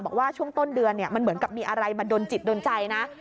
บอกว่าช่วงต้นเดือนมันเหมือนกับมีอะไรมาดนจิตโดนใจนะ